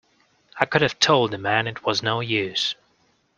I could have told the man it was no use.